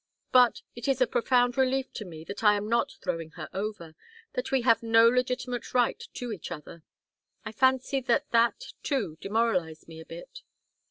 But it is a profound relief to me that I am not throwing her over, that we have no legitimate right to each other. I fancy that that, too, demoralized me a bit."